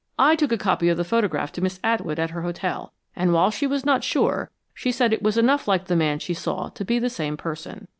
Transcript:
I took a copy of the photograph to Miss Atwood at her hotel, and while she was not sure, she said it was enough like the man she saw to be the same person.